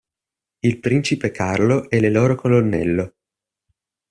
Il principe Carlo è le loro colonnello.